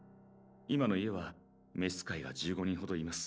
今の家は召使いが１５人ほどいます。